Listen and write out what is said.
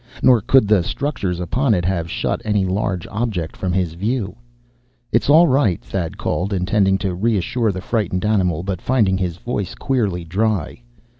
Nor could the structures upon it have shut any large object from his view. "It's all right!" Thad called, intending to reassure the frightened animal, but finding his voice queerly dry.